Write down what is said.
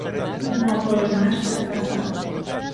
Un apoio máis para Casado.